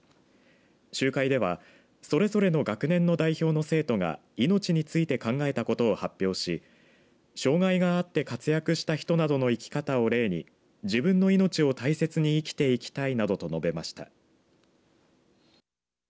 集会ではそれぞれの学年の代表の生徒が命について考えたことを発表し障害があって活躍した人などの生き方を例に自分の命を大切に生きていきたいなどと述べました。